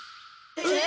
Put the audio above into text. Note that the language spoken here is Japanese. えっ！？